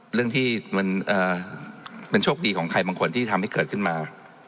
เรื่องที่มันโชคดีของใครบางคนที่ทำให้เกิดขึ้นมา